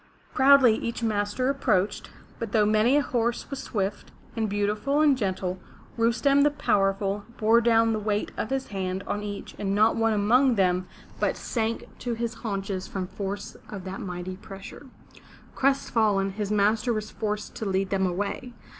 Proudly each master approached, but though many a horse was swift and beautiful and gentle, Rustem, the powerful, bore down the weight of his hand on each and not one among them but sank to his 439 MY BOOK HOUSE haunches from force of that mighty pressure. Crestfallen, his master was forced to lead him away.